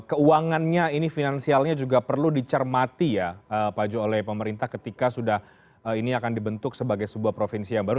keuangannya ini finansialnya juga perlu dicermati ya pak jo oleh pemerintah ketika sudah ini akan dibentuk sebagai sebuah provinsi yang baru